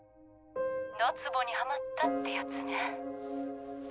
どつぼにはまったってやつね。